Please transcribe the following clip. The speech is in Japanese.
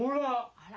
あら。